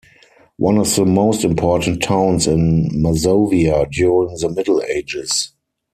One of the most important towns in Mazovia during the Middle Ages.